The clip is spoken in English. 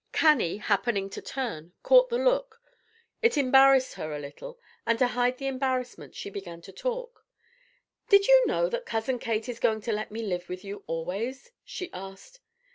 Cannie, happening to turn, caught the look; it embarrassed her a little, and to hide the embarrassment she began to talk. "Did you know that Cousin Kate is going to let me live with you always?" she asked.